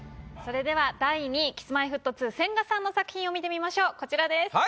それでは第２位Ｋｉｓ−Ｍｙ−Ｆｔ２・千賀さんの作品を見てみましょうこちらです。